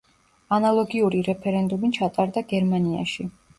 ანალოგიური რეფერენდუმი ჩატარდა გერმანიაში.